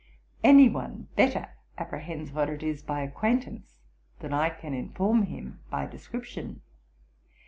Any one better apprehends what it is by acquaintance, than I can inform him by description.